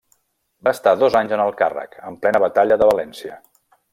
Va estar dos anys en el càrrec, en plena batalla de València.